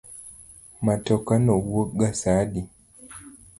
Matoka no wuok ga sa adi?